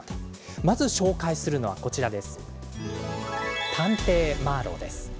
まず紹介するのは「探偵マーロウ」です。